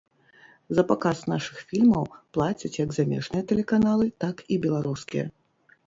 За паказ нашых фільмаў плацяць як замежныя тэлеканалы, так і беларускія.